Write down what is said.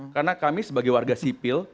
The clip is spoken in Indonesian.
karena kami sebagai warga sipil